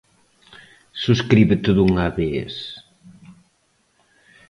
Subscríbete dunha vez!